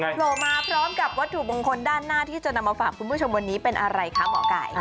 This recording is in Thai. โผล่มาพร้อมกับวัตถุมงคลด้านหน้าที่จะนำมาฝากคุณผู้ชมวันนี้เป็นอะไรคะหมอไก่